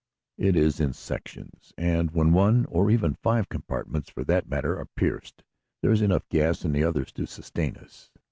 It is in sections and when one, or even five compartments, for that matter, are pierced, there is enough gas in the others to sustain us.